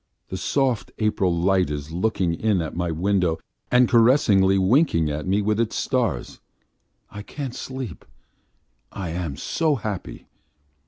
The soft April night is looking in at my windows and caressingly winking at me with its stars. I can't sleep, I am so happy!